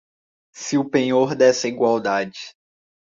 Se o penhor dessa igualdade